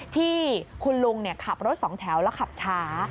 ที่คุณลุงขับรถสองแถวแล้วขับช้า